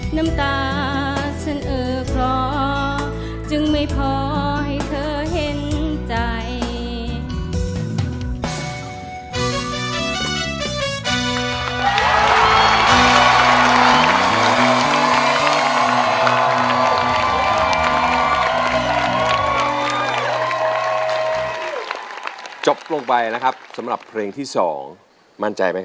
น้ำตาฉันเออคลอจึงไม่พอให้เธอเห็นใจ